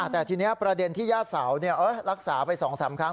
แต่ทีนี้ประเด็นที่ญาติเสารักษาไป๒๓ครั้ง